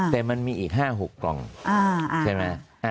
แต่มันมีอีกห้าหกกล่องใช่มั้ย